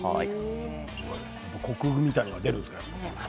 コクみたいなものが出るんですか？